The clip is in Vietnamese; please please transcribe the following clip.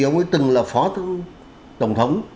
ông ấy từng là phó tổng thống